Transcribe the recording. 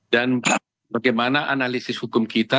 dan bagaimana analisis hukum kita